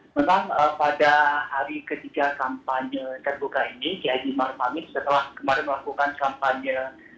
memang pada hari ketiga kampanye terbuka ini kiai haji maruf amin setelah kemarin melakukan kampanye